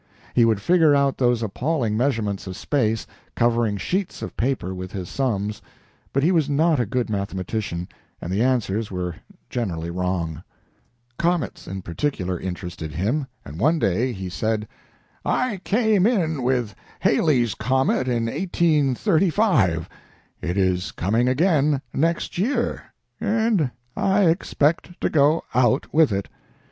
He would figure out those appalling measurements of space, covering sheets of paper with his sums, but he was not a good mathematician, and the answers were generally wrong. Comets in particular interested him, and one day he said: "I came in with Halley's comet in 1835. It is coming again next year, and I expect to go out with it.